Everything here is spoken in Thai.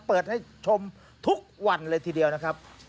เปิดให้ชมทุกวันเลยทีเดียวนะครับ